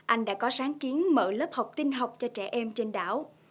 anh đã có sáng kiến mở lớp học tin học cho trẻ em trên đảo